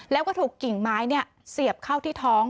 แล้วก็ถูกกิ่งไม้เสียบเข้าที่ท้อง